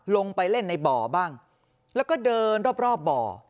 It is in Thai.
ลงไปเล่นในบ่อบ้างแล้วก็เดินรอบบ่อ